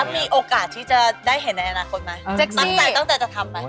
แล้วมีโอกาสที่จะได้เห็นในอนาคตไหมตั้งแต่จะทำไหม